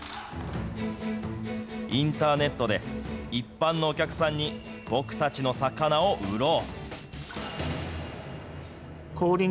インターネットで一般のお客さんに僕たちの魚を売ろう。